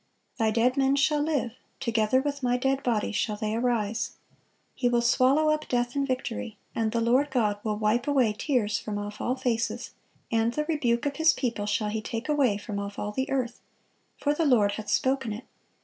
"Thy dead men shall live, together with my dead body shall they arise." "He will swallow up death in victory; and the Lord God will wipe away tears from off all faces; and the rebuke of His people shall He take away from off all the earth: for the Lord hath spoken it.